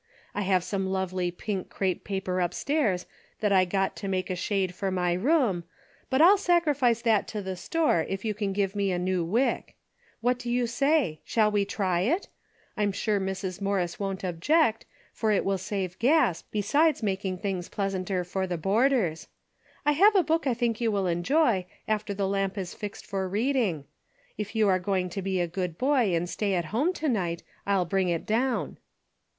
I have some lovely pink crepe paper upstairs that I got to make a shade for my room, but I'll sacrifice that to the store if you can get me a new wick. What do you say ? Shall we try it ? I'm sure Mrs. Morris won't object, for it will save gas, besides mak ing things pleasanter for the boarders. I have a book I think you will enjoy, after the lamp is fixed for reading. If you are going to be a good boy and stay at home to night I'll bring it down."